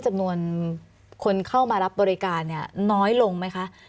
จำนวนคนเข้ามารับบริการเนี่ยน้อยลงไหมคะ